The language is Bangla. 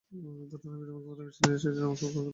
বোঠান, আমি তোমাকে প্রথমে চিনি নাই, সেজন্য আমাকে ক্ষমা করো।